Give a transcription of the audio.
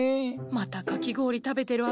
またかき氷食べてる間に。